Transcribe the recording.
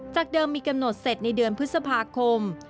เดิมมีกำหนดเสร็จในเดือนพฤษภาคม